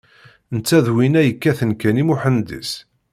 Netta d winna yekkaten kan i Muḥend-is.